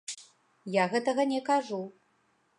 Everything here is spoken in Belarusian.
Я гэтага не кажу.